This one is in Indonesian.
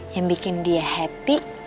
yang bikin dia happy